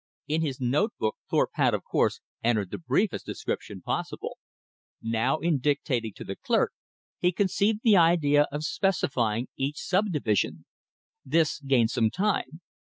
In his note book Thorpe had, of course, entered the briefest description possible. Now, in dictating to the clerk, he conceived the idea of specifying each subdivision. This gained some time.